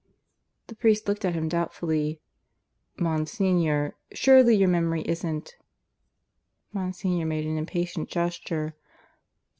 The priest looked at him doubtfully. "Monsignor, surely your memory isn't " Monsignor made an impatient gesture.